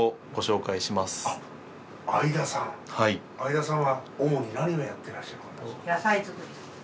會田さんは主に何をやってらっしゃる方ですか？